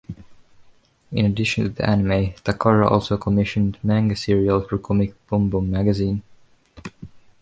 In addition to the anime, Takara also commissioned manga serial for Comic BomBom magazine.